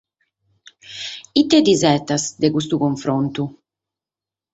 Ite t'isetas dae custu cunfrontu?